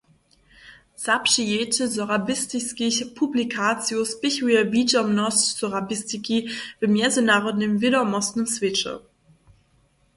Zapřijeće sorabistiskich publikacijow spěchuje widźomnosć sorabistiki w mjezynarodnym wědomostnym swěće.